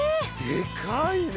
でかいね。